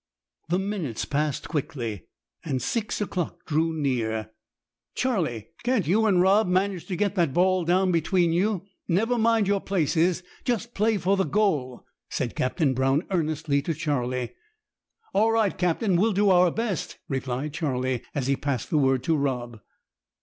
The minutes passed quickly, and six o'clock drew near. "Charlie, can't you and Rob manage to get that ball down between you? Never mind your places; just play for the goal," said Captain Brown earnestly to Charlie. "All right, captain, we'll do our best," replied Charlie, as he passed the word to Rob.